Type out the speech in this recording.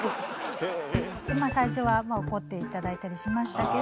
最初は怒って頂いたりしましたけど。